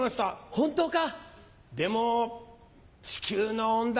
本当か？